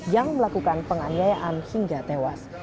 yang melakukan penganiayaan hingga tewas